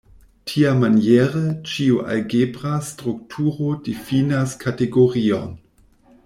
Tiamaniere, ĉiu algebra strukturo difinas kategorion.